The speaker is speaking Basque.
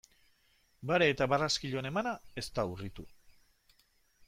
Bare eta barraskiloen emana ez da urritu.